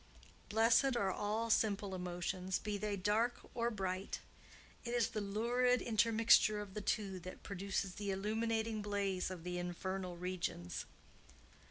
Blessed are all simple emotions, be they dark or bright! It is the lurid intermixture of the two that produces the illuminating blaze of the infernal regions.